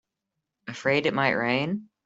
Afraid it might rain?